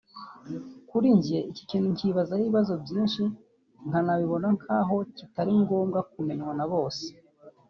Kuri njye iki kintu nkibazaho ibibazo byinshi nkanakibona nkaho kitari ngommbwa kumenywa na bose